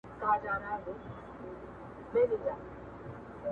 په ماپسي چي کوم څه ويل سوې وه.